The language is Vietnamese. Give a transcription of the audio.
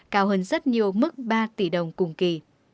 cao hơn rất nhiều mức ba tỷ đồng cùng kỳ